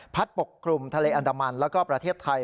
ปกคลุมทะเลอันดามันแล้วก็ประเทศไทย